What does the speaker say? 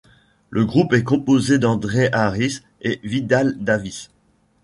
Le groupe est composé d' Andre Harris & Vidal Davis.